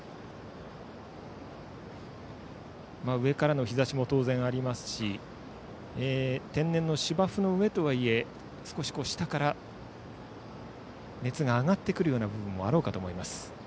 上からの日ざしも当然ありますし天然の芝生の上とはいえ少し、下から熱が上がってくるようなところもあろうかと思います。